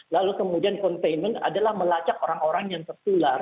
lalu kemudian containment adalah melacak orang orang yang tertular